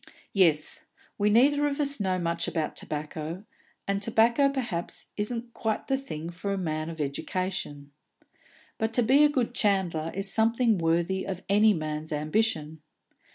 "Yes; we neither of us know much about tobacco, and tobacco perhaps isn't quite the thing for a man of education. But to be a chandler is something worthy of any man's ambition.